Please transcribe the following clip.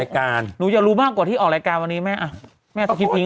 รายการหนูอยากรู้มากกว่าที่ออกรายการวันนี้แม่อะแม่เลยอืม